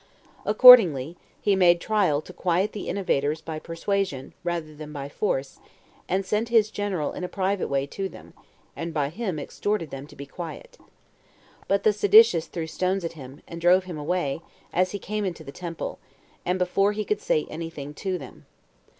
Accordingly, he made trial to quiet the innovators by persuasion, rather than by force, and sent his general in a private way to them, and by him exhorted them to be quiet. But the seditious threw stones at him, and drove him away, as he came into the temple, and before he could say any thing to them.